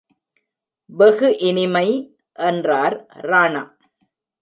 வெகு இனிமை! என்றார் ராணா.